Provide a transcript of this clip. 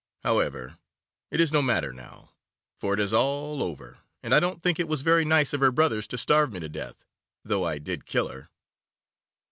However, it is no matter now, for it is all over, and I don't think it was very nice of her brothers to starve me to death, though I did kill her.